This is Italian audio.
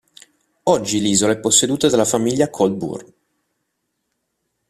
Oggi l'isola è posseduta dalla famiglia Colburn.